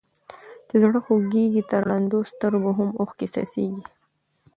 چي زړه خوږيږي تر ړندو سترګو هم اوښکي څڅيږي.